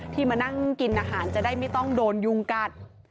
มานั่งกินอาหารจะได้ไม่ต้องโดนยุงกัด